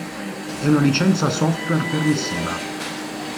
È una licenza software permissiva.